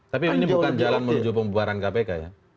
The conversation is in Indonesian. tapi ini bukan jalan menuju pembubaran kpk ya